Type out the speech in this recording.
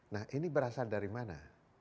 nah ini berasal dari mana